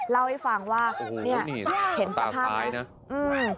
เล่าให้ฟังว่าเนี่ยเห็นสภาพไหม